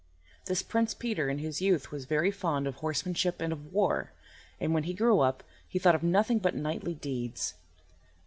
This Prince Peter in his youth was very fond of horsemanship and of war, and when he grew up he thought of nothing but knightly deeds.